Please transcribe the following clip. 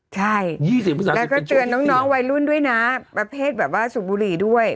ใช่แล้วก็เตือนน้องวัยรุ่นด้วยนะประเภทแบบว่าสูบบุหรี่ด้วย